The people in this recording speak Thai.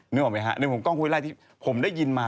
นึกออกไหมฮะในมุมกล้องห้วยไล่ที่ผมได้ยินมา